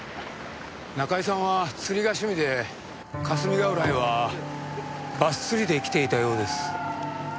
中井さんは釣りが趣味で霞ヶ浦へはバス釣りで来ていたようです。